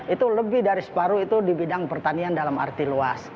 itu lebih dari separuh itu di bidang pertanian dalam arti luas